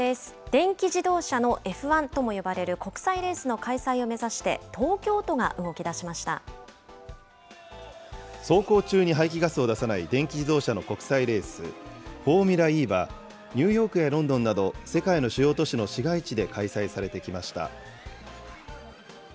電気自動車のＦ１とも呼ばれる国際レースの開催を目指して、東京走行中に排気ガスを出さない電気自動車の国際レース、フォーミュラＥは、ニューヨークやロンドンなど、世界の主要都市の市街地で開催されてきました。